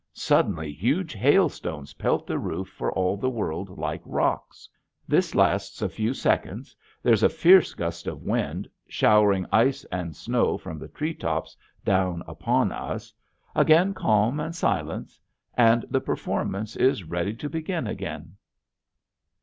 Suddenly huge hailstones pelt the roof, for all the world like rocks. This lasts a few seconds, there's a fierce gust of wind showering ice and snow from the tree tops down upon us, again calm and silence and the performance is ready to begin again.